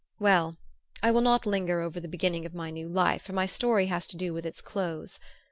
Well I will not linger over the beginning of my new life for my story has to do with its close.